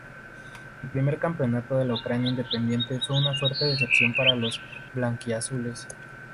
El primer campeonato de la Ucrania independiente fue una fuerte decepción para los blanquiazules.